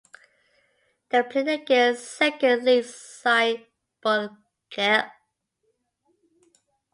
They played against Second League side Bokelj.